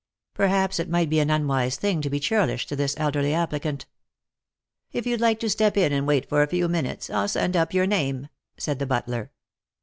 Perhaps it might be an unwise thing to be churlish to this elderly applicant. " If you'd like to step in and wait for a few minutes, I'll send up your name," said the butler.